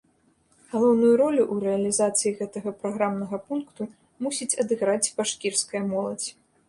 Галоўную ролю ў рэалізацыі гэтага праграмнага пункту мусіць адыграць башкірская моладзь.